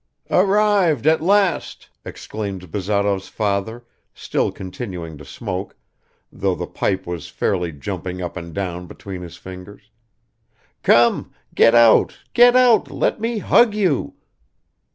"Arrived at last!" exclaimed Bazarov's father, still continuing to smoke, though the pipe was fairly jumping up and down between his fingers. "Come, get out, get out, let me hug you."